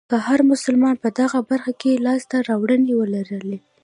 که هر مسلمان په دغه برخه کې لاسته راوړنې ولرلې.